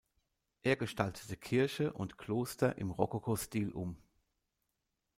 Er gestaltete Kirche und Kloster im Rokokostil um.